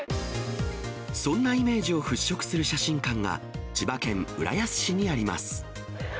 そんなイメージを払拭する写真館が、千葉県浦安市にあります。